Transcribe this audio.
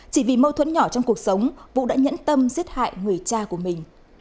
chỉ vì mâu thuẫn nhỏ trong cuộc sống vũ đã nhẫn tâm giết hại người cha của mình